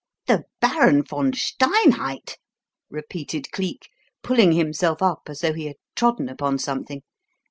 "The Baron von Steinheid?" repeated Cleek, pulling himself up as though he had trodden upon something.